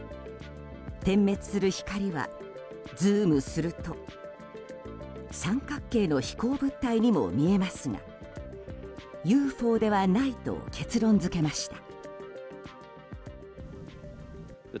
点滅する光は、ズームすると三角形の飛行物体にも見えますがＵＦＯではないと結論付けました。